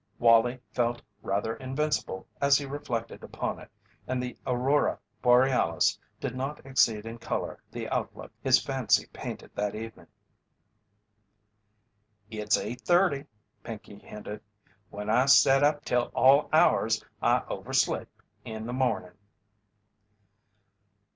Wallie felt rather invincible as he reflected upon it, and the aurora borealis did not exceed in colour the outlook his fancy painted that evening. "It's eight thirty," Pinkey hinted. "When I set up till all hours I over sleep in the morning."